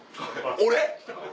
俺？